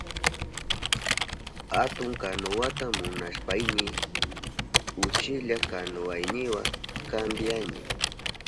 Atun kanuwata munashpayni uchilla kanuwayniwa kampyani.